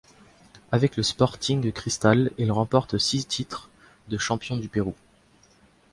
Avec le Sporting Cristal, il remporte six titres de champion du Pérou.